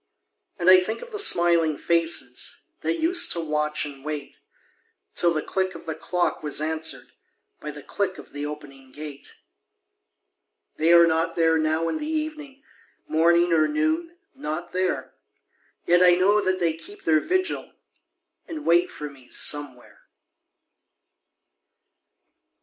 And I think of the smiling faces That used to watch and wait, Till the click of the clock was answered By the click of the opening gate. They are not there now in the evening Morning or noon not there; Yet I know that they keep their vigil, And wait for me Somewhere.